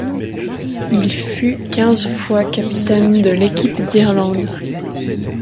Il fut quinze fois capitaine de l'équipe d'Irlande.